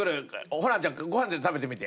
ホランちゃんご飯で食べてみて？